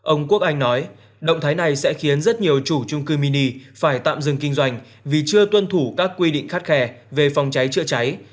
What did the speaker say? ông quốc anh nói động thái này sẽ khiến rất nhiều chủ trung cư mini phải tạm dừng kinh doanh vì chưa tuân thủ các quy định khắt khe về phòng cháy chữa cháy